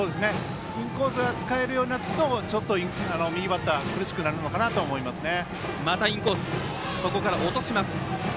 インコースが使えるようになるとちょっと右バッター苦しくなるのかなと思いますね。